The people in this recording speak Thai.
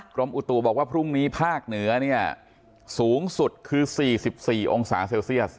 กรมอุตุบอกว่าพรุ่งนี้ภาคเหนือเนี่ยสูงสุดคือ๔๔องศาเซลเซียส